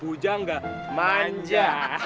puja nggak manja